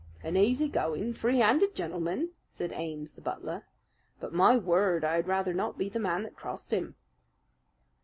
"An easy going, free handed gentleman," said Ames, the butler. "But, my word! I had rather not be the man that crossed him!"